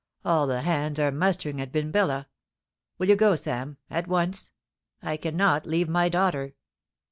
All the hands are mustering at Binbilla. Will you go, Sam — at once ? I cannot leave my daughter.'